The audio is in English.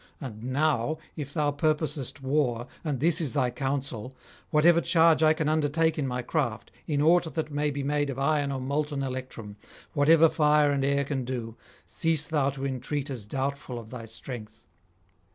And now, if thou purposest war, and this is thy counsel, whatever charge I can undertake in my craft, in aught that may be made of iron or molten electrum, whatever fire and air can do, cease thou to entreat as doubtful of thy strength.'